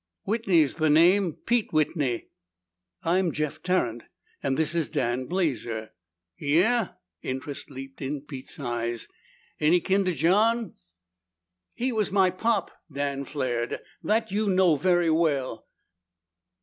"Whitney's the name. Pete Whitney." "I'm Jeff Tarrant and this is Dan Blazer." "Yeah?" Interest leaped in Pete's eyes. "Any kin to John?" "He was my pop!" Dan flared. "That you know very well!"